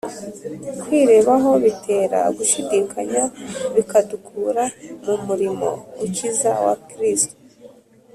Kwirebaho bitera gushidikanya bikadukura mu murimo ukiza wa Kristo.